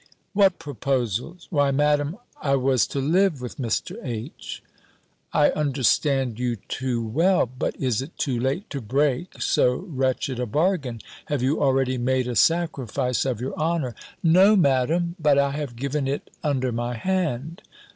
"What proposals?" "Why, Madam, I was to live with Mr. H." "I understand you too well But is it too late to break so wretched a bargain; have you already made a sacrifice of your honour?" "No, Madam: but I have given it under my hand."